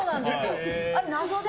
あれ謎で。